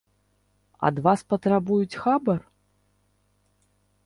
Ад вас патрабуюць хабар?